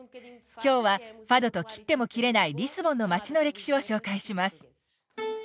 今日はファドと切っても切れないリスボンの街の歴史を紹介します。